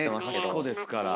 かしこですから。